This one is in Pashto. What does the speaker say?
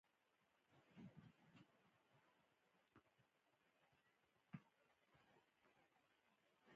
دغه هېواد له ښځو غوښتي